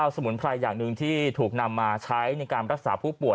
สมุนไพรอย่างหนึ่งที่ถูกนำมาใช้ในการรักษาผู้ป่วย